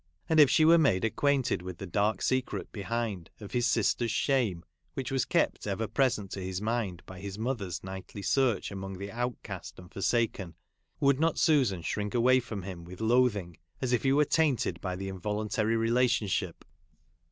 And, if she were made ac quainted with the dark secret behind, of his sister's shame, which was kept ever present to his mind by his mother's nightly search among the outcast and forsaken, would not Susan shrink away from him with loathing, as if he were tainted by the involuntary rela tionship?